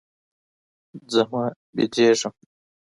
ځمه ويدېږم